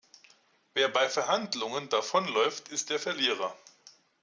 Wer bei Verhandlungen davonläuft, ist der Verlierer.